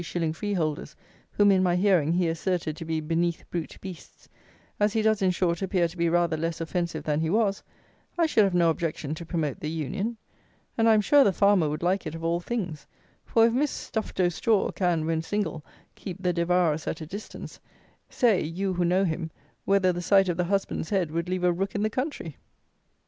_ freeholders, whom, in my hearing, he asserted to be "beneath brute beasts;" as he does, in short, appear to be rather less offensive than he was, I should have no objection to promote the union; and, I am sure, the farmer would like it of all things; for, if Miss Stuffed o' straw can, when single, keep the devourers at a distance, say, you who know him, whether the sight of the husband's head would leave a rook in the country!